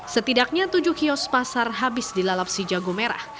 setidaknya tujuh kios pasar habis dilalapsi jago merah